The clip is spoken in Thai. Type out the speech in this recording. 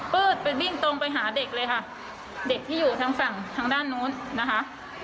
ปื๊ดไปบิ่งตรงไปหาเด็กเลยค่ะเด็กที่อยู่ทางด้านนู้นนะคะ